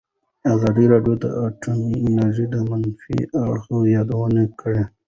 ازادي راډیو د اټومي انرژي د منفي اړخونو یادونه کړې.